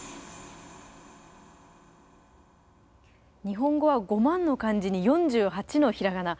日本語は５万の漢字に４８のひらがな。